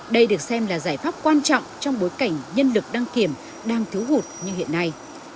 đây được xem là giải pháp quan trọng trong bối cảnh nhân lực đăng kiểm đang thiếu hụt như hiện nay